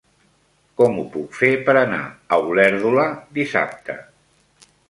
Com ho puc fer per anar a Olèrdola dissabte?